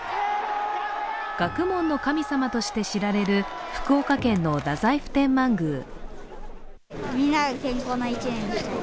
学問の神様として知られる福岡県の太宰府天満宮。